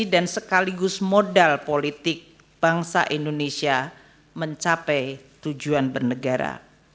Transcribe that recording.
dan sekaligus modal politik bangsa indonesia mencapai tujuan bernegara